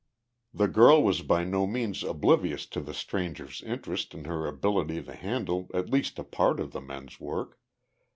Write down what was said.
The girl was by no means oblivious of the stranger's interest in her ability to handle at least a part of the men's work.